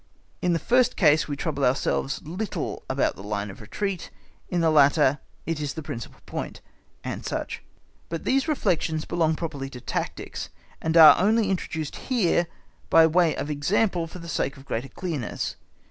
In the first case we trouble ourselves little about the line of retreat, in the latter it is the principal point, &c. But these reflections belong properly to tactics, and are only introduced here by way of example for the sake of greater clearness.